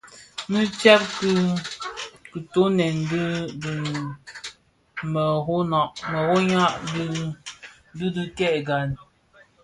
Nnë tsèb ki kitöňèn dhi bi mërōňa di dhi kè gan.